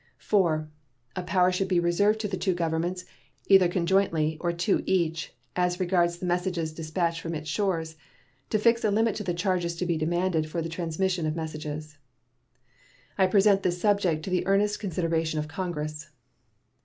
IV. A power should be reserved to the two governments, either conjointly or to each, as regards the messages dispatched from its shores, to fix a limit to the charges to be demanded for the transmission of messages. I present this subject to the earnest consideration of Congress.